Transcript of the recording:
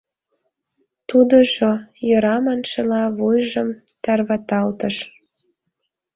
Тудыжо, «Йӧра» маншыла, вуйжым тарваталтыш.